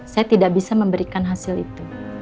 saya tidak bisa memberikan hasil itu